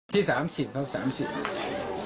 ที่สามสินครับสามสิน